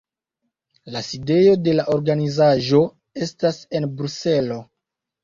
La sidejo de la organizaĵo estas en Bruselo.